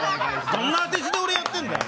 どんな当て字で俺やってんだよ